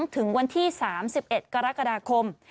ถึงวันที่๓๑กรกฎาคม